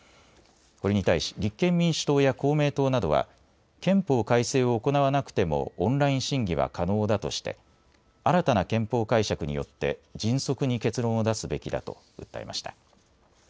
これに対し立憲民主党や公明党などは憲法改正を行わなくてもオンライン審議は可能だとして新たな憲法解釈によって迅速に結論を出すべきだと訴えました。